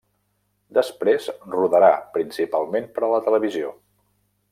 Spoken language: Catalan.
Després, rodarà principalment per a la televisió.